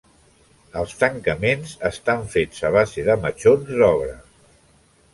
Els tancaments estan fets a base de matxons d'obra.